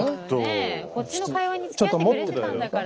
ねえこっちの会話につきあってくれてたんだから。